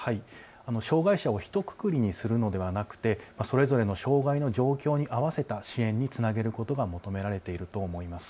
障害者をひとくくりにするのではなくて、それぞれの障害の状況に合わせた支援につなげることが求められていると思います。